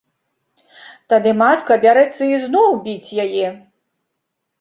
Тады матка бярэцца ізноў біць яе.